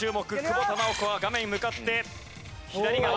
久保田直子は画面向かって左側。